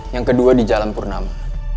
yang kedua di jalan purnama